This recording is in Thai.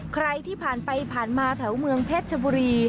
ใครที่ผ่านไปผ่านมาแถวเมืองเพชรชบุรี